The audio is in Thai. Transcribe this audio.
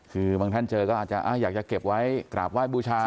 คือบางท่านเจอก็อาจจะอยากจะเก็บไว้กราบไหว้บูชา